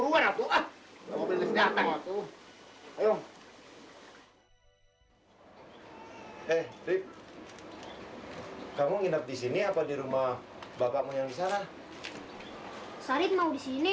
hai eh kamu nginep di sini apa di rumah bakat menyelenggara sarit mau di sini